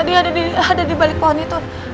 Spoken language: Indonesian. duit pada di balik poni tol